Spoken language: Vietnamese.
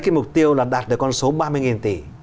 cái mục tiêu là đạt được con số ba mươi tỷ